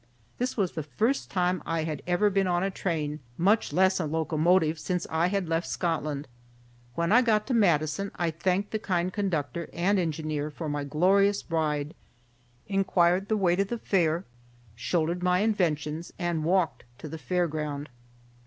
This was the first time I had ever been on a train, much less a locomotive, since I had left Scotland. When I got to Madison, I thanked the kind conductor and engineer for my glorious ride, inquired the way to the Fair, shouldered my inventions, and walked to the Fair Ground.